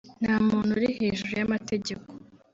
nta muntu uri hejuru y’amategeko